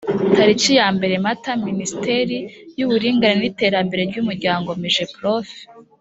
tariki yambere mata minisiteri y uburinganire n iterambere ry umuryango migeprof